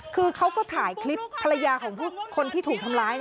คือเขาก็ถ่ายคลิปภรรยาของคนที่ถูกทำร้าย